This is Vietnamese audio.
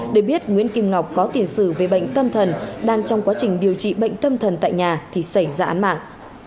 để biết nguyễn kim ngọc có tiền sử về bệnh tâm thần đang trong quá trình điều trị bệnh tâm thần tại nhà thì xảy ra án mạng